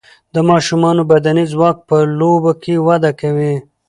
د ماشومان بدني ځواک په لوبو کې وده کوي.